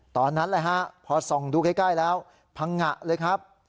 ตอนนั้นแหละฮะพอส่องดูใกล้แล้วพังงะเลยครับ